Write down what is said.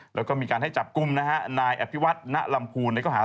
แล้วก็มีการให้จับกลุ่มนะฮะนายอภิวัตนรรมภูมิในก้าวหา